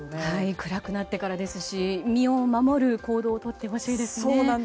暗くなってからですし身を守る行動を本当にそうなんですよね。